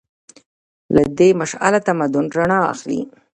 له دې مشعله تمدن رڼا اخلي.